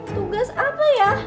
tugas apa ya